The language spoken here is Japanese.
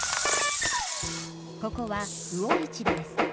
ここは魚市場です。